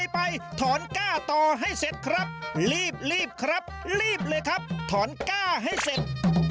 ไปถอนก้าต่อให้เสร็จครับรีบครับรีบเลยครับถอนก้าให้เสร็จ